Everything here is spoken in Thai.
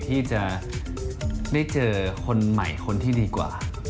ที่จะได้เจอคนใหม่คนที่ดีกว่า